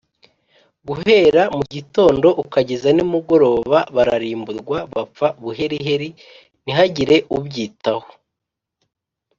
guhera mu gitondo ukageza nimugoroba bararimburwa, bapfa buheriheri ntihagire ubyitaho